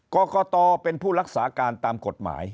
กรกตเป็นผู้รักษาการตามกฎหมาย